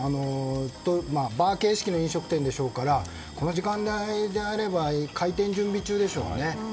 バー形式の飲食店でしょうからこの時間帯であれば開店準備中でしょうね。